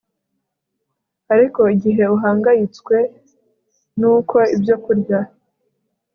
Ariko igihe uhangayitswe nuko ibyokurya